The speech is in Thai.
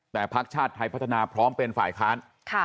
แต่พักชาติไทยพัฒนาพร้อมเป็นฝ่ายค้าน